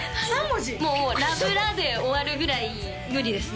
３文字もう「ラブラ」で終わるぐらい無理です